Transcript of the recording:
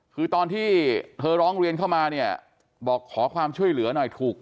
คือตอนที่เธอร้องเรียนเข้ามาเนี่ยบอกขอความช่วยเหลือหน่อยถูก